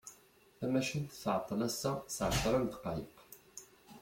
Tamacint tεeṭṭel assa s εecra n ddqayeq.